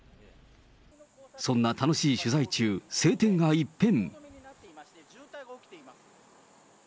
そんな楽しい取材中、晴天が一変。